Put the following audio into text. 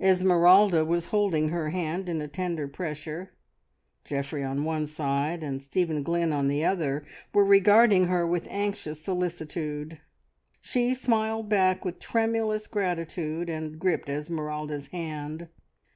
Esmeralda was holding her hand in a tender pressure; Geoffrey on one side, and Stephen Glynn on the other were regarding her with anxious solicitude. She smiled back with tremulous gratitude and gripped Esmeralda's hand.